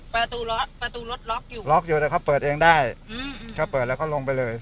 ประตูล็อกประตูรถล็อกอยู่ล็อกอยู่แต่เขาเปิดเองได้อืมเขาเปิดแล้วก็ลงไปเลย